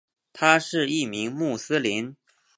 他是一名穆斯林。